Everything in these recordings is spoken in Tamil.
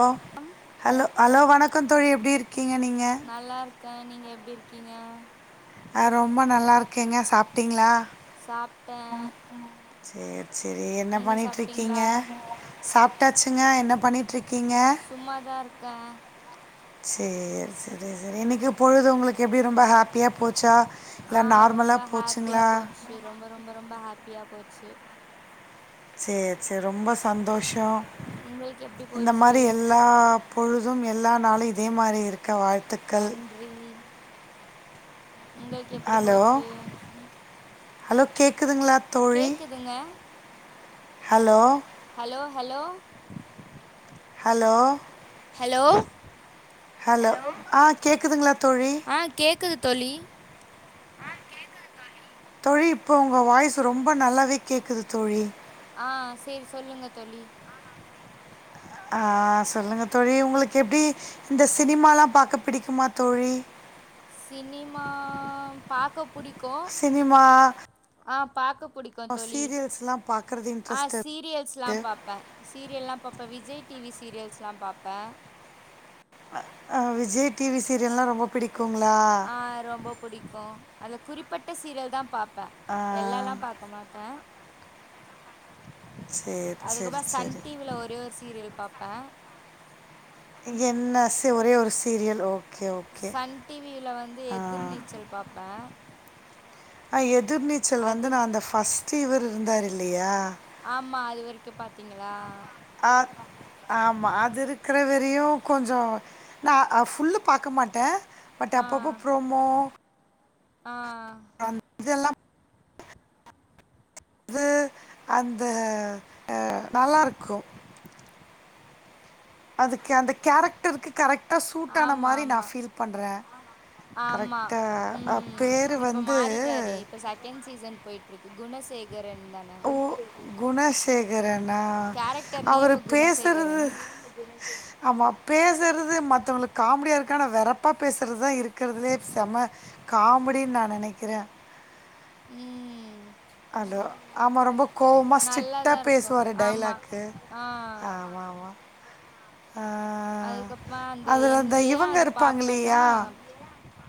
ஒ ஹலோ ஹலோ வணக்கொ தோழி எப்டி இருக் கீங நீங க நீங்க எப்டி இர்க்கீங அ ரொம்ப நல்லார்க்கேங்க சாப்ட்டீங்ளா சாப்ட்டன் சேர் செரி என்ன பண்ணிட்ருக்கீங்க சாப் டாச்சுங்க என்ன பண்ணிட் சும்மாதா இருக்கே செரி செரி செரி இன்னைக்கு பொழுது உங்களுக்கு எப்டி ரொம்ப ஹாப்பியா போச்சா அ இல்லை ரொம்ப நார்மலாக ஹாப்பியா போச்சுங்களா போச்சு ரொம்ப ரொம்ப ரொம்ப ஹாப்பியா போச்சு செரி செரி ரொம்ப சந்தோஷ் ம் உம், உங்களுக்கு எப்படி இந்த போச்சு மாரி எல்லா பொழுதும் எல்லா நாளும் இதே மாரி இருக் க்க வாழ்த்துக்கள் நன்றி உங்களுக்கு எப்டி போச்சு இலோ கேக் க்குதுங்ளா தொழி கேக்குதுங்க hello hello hello hello hello hello ஆ கேக்குதுங்களா ஆ கேக்குது தோழி தோழி இப்ப உங்க வாய்ஸு ரொம்ப நல்லாவே கேக்குது தோழி ஆ செரி சொல்லுங்க தோழி ஆ சொல்லுங்க தோழி உங்களுக்கு எப்டி இந்த சினிமாலாம் பாக்க பிடிக்குமா தோழி சினிமா பக்க புடிக்கூ சினிமா ஆ பாக் பிடிக்கும் தொழி சீரியல்ஸ்லாம் பார்க்குறது இன்ட்ரெஸ்ட் இருக்குது சீரியல்ஸ்ல்லாம் பாார்ப்பே சீரியல்ல்லா பாார்ப்பே விஜய் டிவி ச சீரியல்ஸ்லாம் பாப்பே விஜய் டிவி சீரியல்லா ரொம்ப பிடிக் ஆ ரொம்ப புடிக்கூ அது குறிப்பட்ட சீரியல் தா பாப் ப்பே ஆ, எல்லல்லாம் பார்க்க மாட்டே சரி சரி அதுக்கப்புறோ சன் சரி டிவில ஒரே ஒரு சீரியல் பா்பே பா என்ன ஒரே ஒரு சீரியல் ஓக் சன் டிவில வந்து எதிர் நீச்சல் பார்ப்பே ஐய்ய குதிர்நீச்சல் வந்து நான் அந்த ஃபஸ்ட் வல் இருந்தார் இல்லையா ஆமா அது வரைக்கூ பாத்தீங்களா ஆமா அது இருக்கிற வரையும் கொஞ்சோ நா ஃபுல்லு பார்க்க மாட்டே பட் ஆ அப்பப்போ ப்ரோமோ ஆ இதெல்லாம் அது அந்த நல்லா இருக்கச அதுக்கு அந்த கேரக்டருக்கு கரெக்ட் கரெக்டாக சூட்டான ஆமா மாரி நா ஆமா ஃபீல் பண்ணுறே ஆமா கரெக்டா ம் பேர் இப்போ வந்து குணசேக ற தான குணசேகரன் லா கேரக்டர் அவரு நேமு பேசுறது குணசேகரன் ஆமா பேசுகறது மத்தவங்களுக்கு காமெடிய இருக்க ஆனால் வெரப்பாக பேசுறது தான் இருக்கிறதுே செம காமெடின்னு நான் நெனைக்கிறே ம் அது ஆமா ரொம்ப கோவமா நல்லாதான் ஸ்ட்ரிக்டாக இருக்கும் பேசுவார் ஆமா. டைலாக்கு ஆ ஆம ஆமா அதுக்கப்புறோம அதில் அந்த ஏன் இவங்க அது இருப்பாங்க பாப்பேன்னா இல்லையா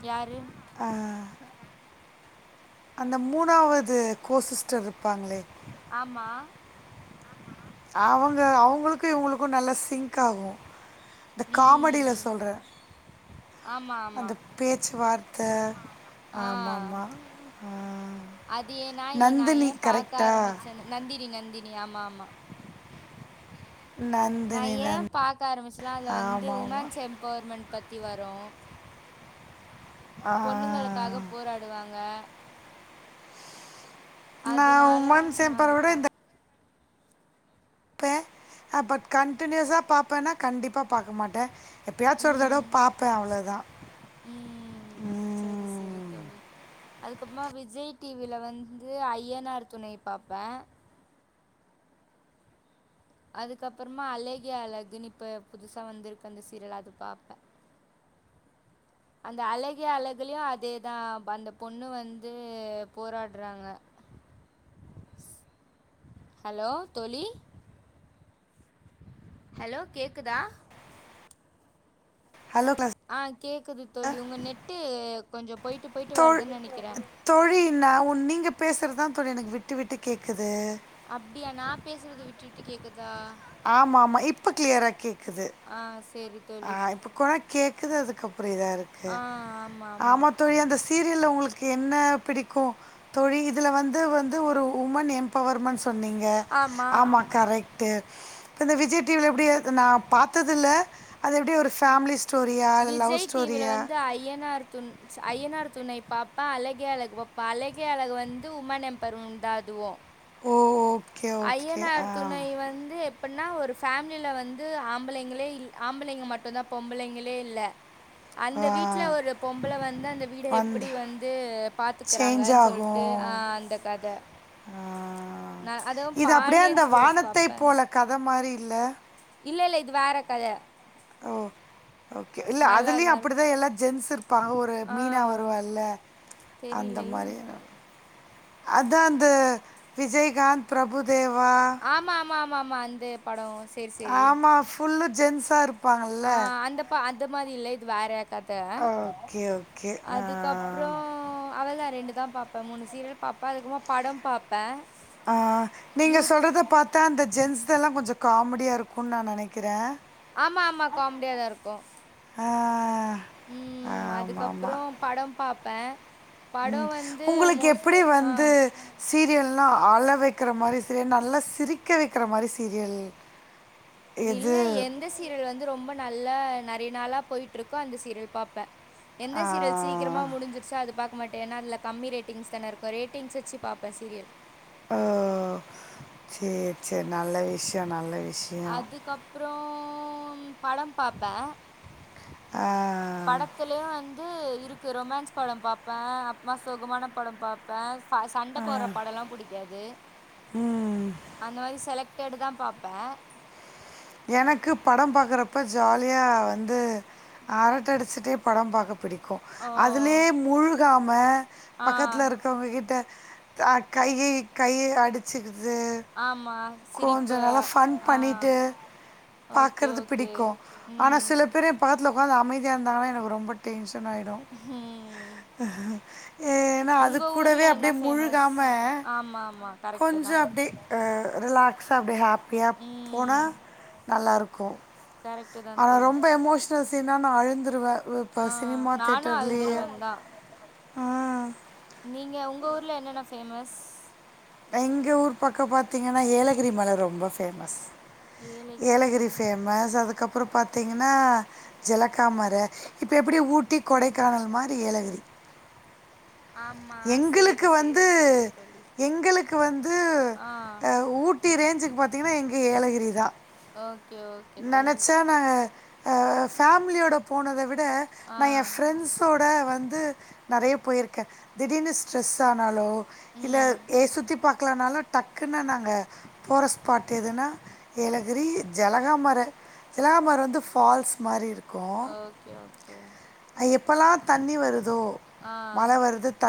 யாரு அந்த மூணாவது கோசிஸ்டர் இருப்பாங்களே ஆமா அவுங்க அவங்களளுக்கு இவுங்களுக்கும் நல்ல சிங்க் ஆகும் இந்த காமெடில ம். சொல்றே ஆமா, ஆமா. அந்த பேச்சுவார்த் த ஆ அது ஏ ந நான் நந்தினி ஏன் பாக்க கரெக்ட்டா? ஆரம்பிச்சே நந்தினி நந்தினி ய மா நந்தினி நான் நந் ஏன் பாக்க ஆரம்பிச்சலா அதது வந் ஆமாமா. உமன்ஸ் எம்பவர்மெண்டட் பத் வரு ஆ. பொண்ணுங்களுக்காக போராடுவாங்க நா அதனால உமன் நான் சேம்பர் அது விட பா பை ஆ பட் கண்டினியூஸா பாாரப்பேன்னா கண்டிப்பா பார்க்கா மாட்டே எப்போயாச்சும் ஒருதடவ ம். பார்ப்பே அவ்வளோதா ம் சரி சரி ம் தோழி அதுக்கப்புறமா விஜய் டிவில வந்து ஐயனார் துணை பாார்பப்பே அதுக்கப்புறமா அழக அழகுன்னு இப்ப புதுசா வந்துருக்கு அந்த சீரியல் அதது பாப்ப அந்த அழகிய அழகுல அதேதா அந்த பொண்ணு வந்து போராடுறாங்க ஹலோ தோழி ஹலோ கேக்குதா ஹலோ கிளாஸ் ஆ கேக்குது தோழி உங்க நெட்டு கொஞ்சோ போயிட்டு போயிட்டு தோ வருதுன்னு நெனைக்கிறே தோழி நா உ நீங்க பேசுறது தா தோழிஎனக்கு விட்டு விட்டு கேட்குது அப்டியா நா பேசுறது வி ட்டுவிட்டு கேக்குத் ஆமா ஆமா இப்ப க்ளியரா கேக்குது ஆ சேரி தோழி ஆஹ் இப்ப கொழ கேக்குது அதுக்கப்றொ இதா இருக்கு ஆமா தோழி அந்த சீரியல்ல உங்களுக்கு என் என்னா பிடிக்கு தோழி இதுல வந்து வந்து ஒரு உமன் எம்பவர்மெண்ட்ஸ் சொன்னிங்க ஆமாம் ஆமா கரெக்ட் டெ இப்ப இந்த விஜய் டிவில எப்டி அது நா பாத்ததில்ல அது எப்டி ஒரு ஃபேம்லிஸ் விஜய் டிவில வந்து ஐயனார் துண் ஐயனார் துணை பாப்ப அழகே அழகு பாப்ப அழகே அழகு வந்து உமன் எம்பைர்முன் தா அதுவு ஓ ஓகே ஓகே ஆ ஐயனார் துணை வந்து எப்புட்னா ஒரு ஃபேம்லில வந்து ஆம்பளைங்களே இல் ஆம்பளைங்க மட்டுதா பொம்பளைங்களே இல்ல அந்த ஆ வீட்ல ஒரு பொம்பள வந்து அந்த வீட எப்டி வந்து சேஞ்ச் பாத்துக்குறாங்கன் சொல்ட்டு ஆகும் ஆ அந்த கத ஆ, ந இது அப்டியே அந்த வானத்தை போல கத மாரி இல்ல இல்ல இல்ல இது வேற கத ஓ ஓகே இல்ல நல்லா அதுலயு தான் அப்படிதா இருக்கும் எல்லா ஜென்ஸ் இருப்பாங்க ஒரு ஆ மீனா வருவால்ல அந்த மாரி தெரியலையே அதா அந்த விஜயகாந்த் பிரபுதேவ் வா மாமாமா அந்தே படோ ஆமா ஃபுல்லு ஜென்சா இருப் ஆஹ் அந்தப்பா அந் ந்த மாரி இல்ல இது வேறே கர் ஆ ஓகே ஓகே ஆஹ் ரெண்டு தா பாப்பெ மூனு சீரியல் பாப்பே அதுக்கமா படம் பாப்பே ஆஹ் நீங்க சொல்றத பாத்தா அந்த ஜென்ஸ்ஸெல்லா கொஞ்சொ காமெடியா இருக்குன் நா நெனைக்கிறே ஆமா ஆமா காம்டியாதா இருக்கூ ஆஹ் உம் அதுக்கப்றோ படம் பாப் பே ம் உங்களுக்கு எப்டி ஆ. வந்து சீரியெல்லா அழ வெக்கிற மாரி சீரியல் நல்லா சிரிக்க வெக்கிற மாரி சீரியல் ச் இல்ல எந்த சீரியல் வந்து ரொம்ப நல்லா ந டி நல்லா போயிட்ருக்கோ அந்த சீரியல் பாப்பே ஆ எந்த சீரியல் சீக்கிரமா முடிஞ்சிருச்சோ அது பாக் க மட்டே ஏனா அதுல கம்மி ரேட்டிங்ஸ் தான இருக்கு ரேட்டிங்ஸ் வச்சு பாப்பே சீரியல் ஓ சேர் செரி நல்ல விஷ்யோ நல்ல வி அதுக்கப்றோ ம் படம் பாப்பே ஆ. து இருக்கு ரொமான்ஸ் பட பாப்பே அப்மா சோகமான படோ பாப்பே ஃப சண்ட போற பட எல்லா புடிக்காது ம். அந்த மாரி செலக்ட் டெட் தா பாப்பே எனக்கு படம் பாக்கறப்ப ஜாலியா வந்து அரட்ட அடிச்சிட்டே படம் பாக்க புடிக் கு ஓ அதுலேயே முழ்காம ஆ பக்கத்துல இருக்கிறவங்க கிட்ட த கைகய் கைய அடிச்சு ஆமா கொஞ்சோ சிரிப்பு நல்லா ஃபன் ஆ பண்ணிட்டு ஓகே பாக்கறது ஓகே பிடிக்கு ஆனா ம் சில பேரு பக்கத்தில உக்காந்து அமைதியா இருந்தாங்கனா எனக்கு ரொம்ப டென்ஷ் டனாயிடு ஏனா அது உங்க கூடவே ஊர்ல என்ன அப்டியே ஃபேமஸ் முழ்காம ஆமா ஆமா கரெக்ட்டு கொஞ்சோ தா அப்டியே ஆ ரிலாக்ஸா அப்டி ஹாப் பியா போனா ம் நல்லாருக் கு கரெக்ட்டு தா ஆனா தோழி ரொம்ப எமோஷ்னல்ஸ் சீனா நா அழுந்துருவே வு இப்ப ஆ சினமா நானு தேட்டர்லியே அழுதுருவன் தா ஆ நீங்க உங்க ஊர்ல என்னென்ன பேமஸ் எங்க ஊர் பக்கம் பாத்தீங்கனா ஏலகிரி மல ரொம்ப பேமஸ் ஏலகிரி பேமஸ் அதுக் கப்புறோ பாத்தீங்கனா ஜலக்காமர இப்போ எப்டி ஊட்டி கொடைக்கானல் மாரி ஏலகிரி ஆமா சேரி எங்களுக்கு சேரி வந்து சேரி தோழி எங்களுக்கு வந்து ஆ அ ஊட்டி ரேஞ்சுக் பாத்தீங்கனா எங்க ஏலகிரி தா ஓகே ஓகே தோழி நெனச்சா நாங்க அ ஃபேமிலியோட போனத விட ட ஆ நா என் ஃபிரெண்ட்ஸோட வந்து ந்து நெறய போயிருக்கே திடீர்னு ஸ்ட்ரெஸ் ஆனாலோ இல்ல ம் ஏ சுத்தி பாக்கலானாலு டக்ன்னு நாங்க போற ஸ்பாட் எதுனா ஏலகிரி, ஜலகாமர ஜலகாமர வந்து ஃபால்ஸ் மாரி இருக் கு ஓகே ஓகே அங் எப் இப்பல்லா தண்ணி வருது ஆ மழை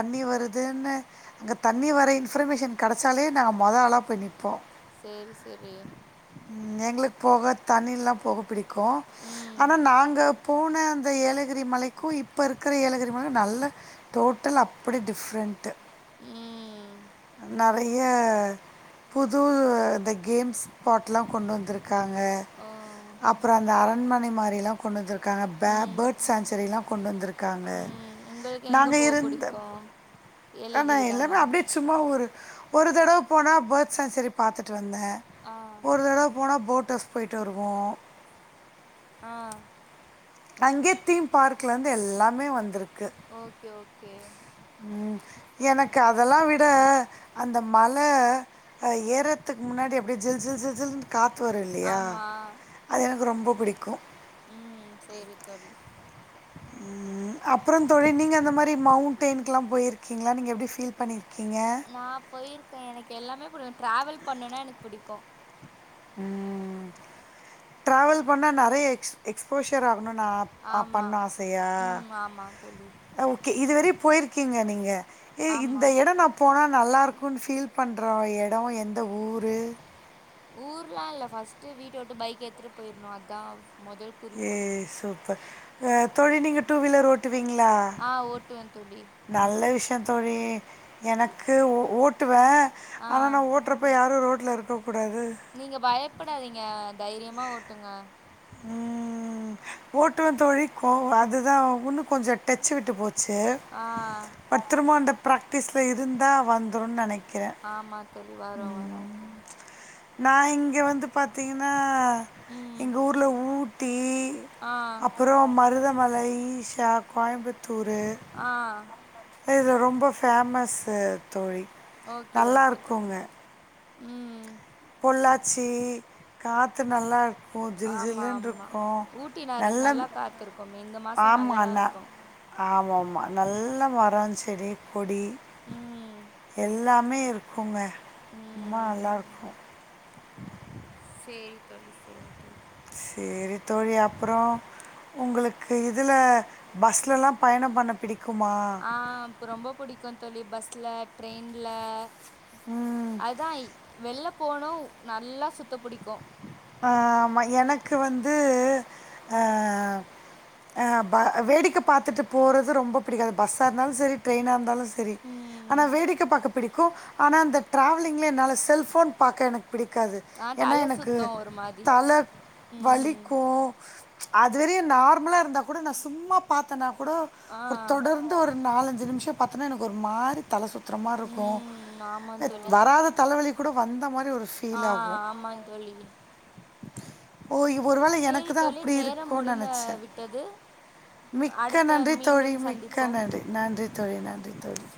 தண்ணி வருதுன்னு அங்க தண்ணி வர இன்ஃபர்மேஷன் கிடைச்சாலே நாங்க மொதொ ஆளா போய் நிப்போ சேரி சேரி ம் எங்களுக்கு போக தண்ணில்லாம போக பிடிக் கு ம் ஆனா நாங்க போன அந்த ஏலகிரி மலைக்கு இப்போ இருக்கிற ஏலகிரி மலை நல்ல டோட்டலா இப்டி டிஃப்ரெண்ட்டு ம் நரதி ய புது இந்த கேம்ஸ் பாட்லா கொண்டு வந்திரு க்காங்க ஓ அப்புறோ அந்த அரண்மனை மாரி எல்லா கொண்டுந்து இரு க்காங்க பே ம் பேர்ட் சேன்சுரிலா கொண்டு வந்திருக்காங்க ம் உங்களுக்கு எங்க நாங்க போக இருந்த புடிக்கு ஆனா ஏலகிரி எல்லாமே தானா அப்டியே சும்மா ஒரு ஒரு தடவு போனா பேர்த் செஞ்சுரி பார்த்துட்டு வந்தேன் ஆ ஒரு தடவ போனா போட் டர்ஃப் போய்ட்டு வருவோ ஆ அங்கே தீம் பார்க்ல இருந்து எல்லாமே வந்திரு ஓகே ஓகே ம். எனக்கு அதெல்லா விட அந்த மல ஏர்றதுக்கு முன்னாடி அப்டியே ஜில் ஜில் ஜில் ஜில் காத்து வரு இல்லயா ஆமா அது எனக்கு ரொம்ப புடிக்கு ம் சேரி தோழி ம் அப்புறோந் தோழி நீங்க அந்த மாரி மவுண்டெய்ன்கெல்லா போயிருக்கீங்ளா நீங்க எப்டி ஃபீல் பண்ணிரு நா போயிருக்கேன் எனக்கு எல்லாமே புடு ட்ராவல் பண்ணுனா எனக்கு புடிக்கு ம் டிராவல் பண்ணா நெறய எக்ஸ் எக்ஸ்போஷர் ஆகணு நா அ ஆமா பண்ண ஆசயா ம் ஆமா தோழி ஆ ஓ கி இதுவரை போயிருக்கீங்க நீங்க ஏ ஆமா இந்த எடோ நா போனா நல்லா னக்குன்னு பீல் பண்ற எடோ எந்த ஊரு ஊருல்லா இல்ல ஃபர்ஸ்ட் வீட்ட விட்டு பைகே எடுத்துட்டு போயிர்ணு அதா மொதல் குறிக்கோள் ப அ தோழி நீங்க டூ வீலர் ஓட்டி வீங்களா ஆ ஓட்டுவே தோழி நல்ல விஷ் யே தோழி எனக்கு ஓ ஓட்டுவே ஆ ஆனா நா ஓட்டுறப்ப யாரு ரோட் ல இருக்க நீங்க பயப்படாதீங்க தைரியமா ஓ ட்டுங்க ம் ஓட்டுவே தோழி கோ அதுதா உன்னு கொஞ்சோ டச்சு விட்டு போச் சு ஆ பத்துரமாண்ட ப்ராக்டிஸில இருந்தா வந்துருன் நெனை ஆமா தோழி வரு வரு நா இங்க வந்து பாத்தீங்ன்னா ம் எங்க ஊர்ல ஊ ட்டி ஆ அப்புறோ மருதமலை தா கோயம்பு த்தூரு ஆ அ இது ரொம்ப ஃபேமஸ்ஸு தோழி ஓகே நல்லா ஓகே தோழி இருக்கோங்க ம் பொள்ளாச்சி காத்து நல்லா இருக்கும் ஜில் ஆமா ஜில்லுன்னு ஆமா இருக்கும் ஊட்டினாலே நல்ல நல்லா காத்துருக்குமே இந்த மாசோ நல்லாதாருக்கு ஆமாமா நல்ல மரோ செடி கொடி ம் எல்லா மே இருக்குங்க ம்மா ம் நல்லாருக்கு சேரி தோழி சேரி தோழி சேரி தோழி அப்புறோ உங்களுக்கு இதுல பஸ்லல்லா பயணம் பண்ண பிடி ஆ இப்ப ரொம்ப புடிக்கு தோழி பஸ் ஸ்ல ட்ரெய்ன்ல ம் அதாய் வெள்ள போனு நல்லா சுத்தப் புடிக்கு ஆமா எனக்கு வந்து அ அ ப வேடிக்கை பாத்துட்டு போறது ரொம்ப புடிக்கு அது பஸ்ஸா இருந்தாலு செரி ட்ரெய்னா இருந்தாலு செரி ஆனா ம் வேடிக்க பாக்க பிடிக் கு ஆனா அந்த டிராவலிங்ல என்னால செல்ஃபோன் பாக்க எனக் பிடிக்காது ஆ ஏன்னா தல எனக்கு சுத்து ஒரு மாதி தல ம் வலிக்கு அதுவரையு நார்மலா இருந்தா கூட நா சும்மா பாத்தனா கூட ஆ ஒரு தொடர்ந்து ஒரு நாலஞ்சு நிமிஷ பித்தன எனக்கு ஒரு மாரி தல சுத் தற மாரி இருக்கு ம் ஆமா அ தோழி வராத தலவலி கூட வந்த மா ஆ ஆமா தோழி ஓ இது ஒருவேள எனக்கு சேரி தா தோழி அப்டி நேரம் இருக்கோனு முடிந்த நெனச்ச விட்டது மிக்க அடுத்த நன்றி தோழி மீண்டும் மிக்க சந்திப்போம் நன்றி நன்றி தோழி நன்றி தோழி